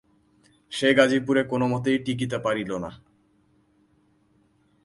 সে গাজিপুরে কোনোমতেই টিকিতে পারিল না।